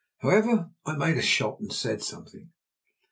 However, I made a shot and said something.